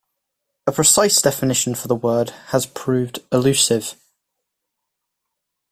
A precise definition for the word has proved elusive.